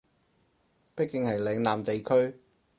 畢竟係嶺南地區